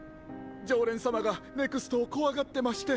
常連様がＮＥＸＴを怖がってまして。